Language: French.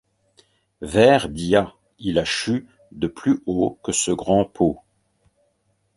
Ver dia ! il a chu de plus haut que ce grand pau.